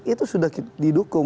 itu sudah didukung